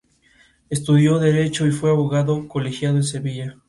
Estudió Derecho y fue abogado colegiado en Sevilla.